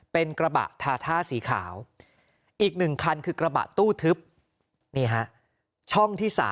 เป็นกระบะทาท่าสีขาวอีก๑คันคือกระบะตู้ทึบนี่ฮะช่องที่๓